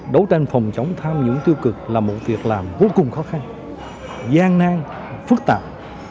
đấu tranh phòng chống tham nhũng tiêu cực là một việc làm vô cùng khó khăn gian nang phức tạp